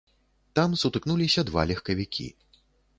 Там сутыкнуліся два легкавікі.